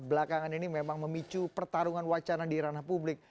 belakangan ini memang memicu pertarungan wacana di ranah publik